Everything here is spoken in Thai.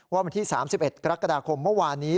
วันที่๓๑กรกฎาคมเมื่อวานนี้